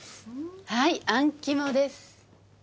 はいあん肝です。